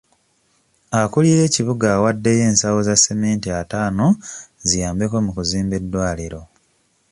Akuulira ekibuga awaddeyo ensawo za seminti ataano ziyambeko mu kuzimba eddwaliro .